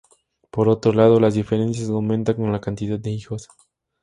Por otro lado, las diferencias aumentan con la cantidad de hijos.